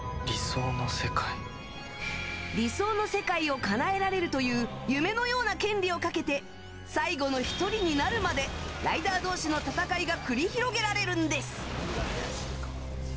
理想の世界をかなえられるという夢のような権利をかけて最後の１人になるまでライダー同士の戦いが繰り広げられるんです。